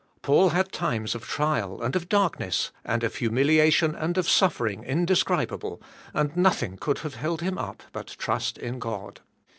Paul had times of trial and of darkness and of humiliation and of suffering, indescribable, and nothing could have held him up but trust in God.